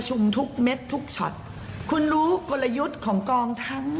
แต่เราจะให้โอกาสน้อง